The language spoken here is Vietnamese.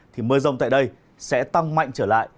thì mưa rông tại đây sẽ tăng mạnh trở lại